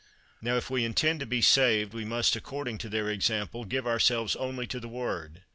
Now, if we intend to be saved, we must, according to their example, give ourselves only to the Word.